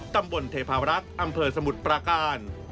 ตำบลเทพารักษ์อำเภอสมุทรปราการ